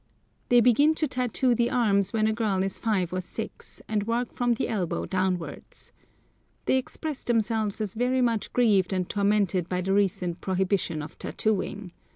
They begin to tattoo the arms when a girl is five or six, and work from the elbow downwards. They expressed themselves as very much grieved and tormented by the recent prohibition of tattooing.